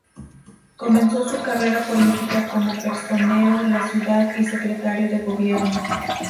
Comenzó su carrera política como personero de la ciudad y secretario de gobierno.